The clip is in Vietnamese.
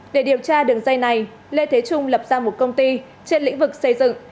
để điều tra đường dây này lê thế trung lập ra một công ty trên lĩnh vực xây dựng